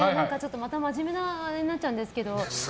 また真面目なあれになっちゃうんですけど。